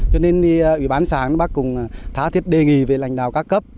cho nên ủy ban xã bác cũng thá thiết đề nghị về lãnh đạo các cấp